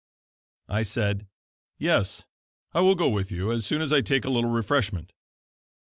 I said: "Yes, I will go with you as soon as I take a little refreshment."